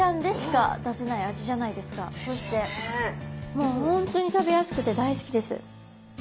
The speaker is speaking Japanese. もう本当に食べやすくて大好きです。